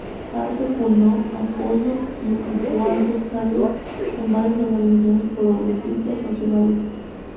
Harper fundó, apoyó y ocupó altos cargos en varias organizaciones progresistas nacionales.